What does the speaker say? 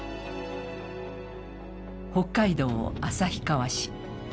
北海道旭川市。